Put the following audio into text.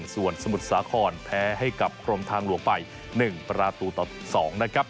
ส่วนสมุทรสาครแพ้ให้กับกรมทางหลวงไป๑ประตูต่อ๒นะครับ